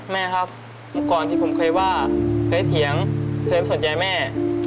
แม่ครับตอนนี่ผมเคยว่าเคยเถียงเคยไม่สนใจแม่